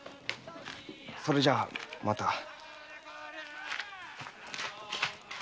それじゃあまた。